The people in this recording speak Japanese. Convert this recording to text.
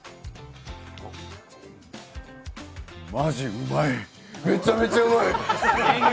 マジうまい、めちゃめちゃうまい！